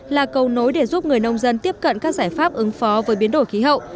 là cầu nối để giúp người nông dân tiếp cận các giải pháp ứng phó với biến đổi khí hậu